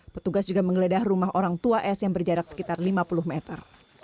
petugas juga menggeledah rumah orang tua s yang berjarak sekitar lima puluh meter